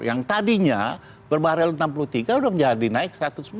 yang tadinya berbarel enam puluh tiga sudah menjadi naik satu ratus sembilan puluh